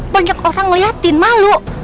banyak orang ngeliatin malu